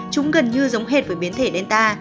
chúng gần như giống hệt với biến thể delta